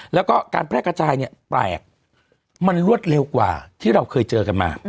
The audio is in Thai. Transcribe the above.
แล้วก็การแพร่กระจายเนี่ยแปลกมันรวดเร็วกว่าที่เราเคยเจอกันมา